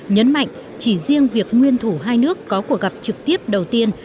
nhấn mạnh chỉ riêng việc nguyên thủ hai nước có cuộc gặp trực tiếp đầu tiên